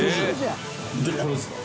でこれですか？